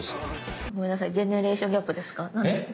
ごめんなさいジェネレーションギャップですか？